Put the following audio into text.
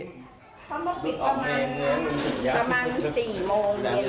เขามาปิดประมาณประมาณ๔โมงเย็น